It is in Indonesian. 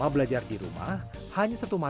agar iqbal tahu betul